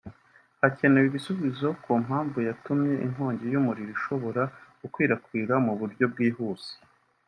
Hakenewe ibisubizo ku mpamvu yatumye inkongi y’umuriro ishobora gukwirakwira mu buryo bwihuse